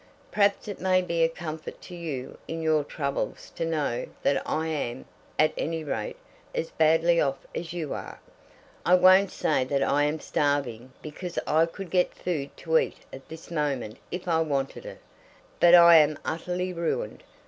"Perhaps it may be a comfort to you in your troubles to know that I am, at any rate, as badly off as you are? I won't say that I am starving, because I could get food to eat at this moment if I wanted it; but I am utterly ruined.